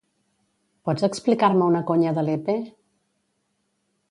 Pots explicar-me una conya de Lepe?